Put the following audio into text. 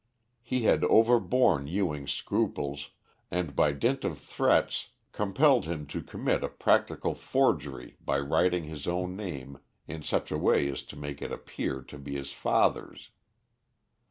He had overborne Ewing's scruples, and by dint of threats compelled him to commit a practical forgery by writing his own name in such a way as to make it appear to be his father's.